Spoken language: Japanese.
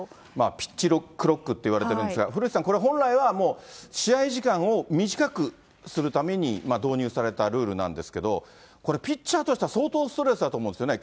ピッチクロックといわれているんですが、古内さん、これ本来は、もう試合時間を短くするために導入されたルールなんですけど、これ、ピッチャーとしては相当、ストレスだと思うんですよね。